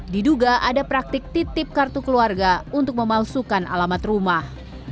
diduga ada praktik titip kartu keluarga untuk memalsukan alamat rumah